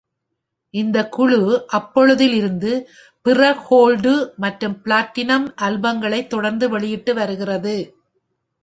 இந்தக் குழு அப்போதில் இருந்து பிற கோல்டு மற்றும் பிளாட்டினம் ஆல்பம்களை தொடர்ந்து வெளியிட்டு வருகிறது.